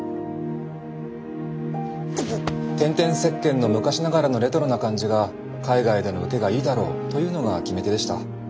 天天石鹸の昔ながらのレトロな感じが海外での受けがいいだろうというのが決め手でした。